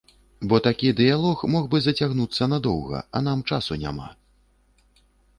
Бо такі дыялог мог бы зацягнуцца надоўга, а нам часу няма.